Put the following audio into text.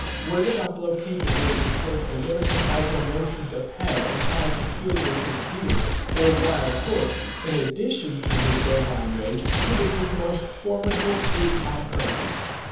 Were the buffalo capable of the same alert and agile motions of head and eye peculiar to the deer or wild horse, in addition to his "bovine rage," he would be the most formidable brute on earth.